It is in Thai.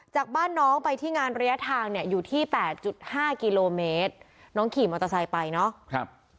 จากบ้านน้องไปที่งานระยะทางเนี่ยอยู่ที่แปดจุดห้ากิโลเมตรน้องขี่มอเตอร์ไซค์ไปเนาะ